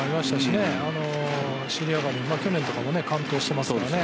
尻上がりに去年とかも完封してますからね。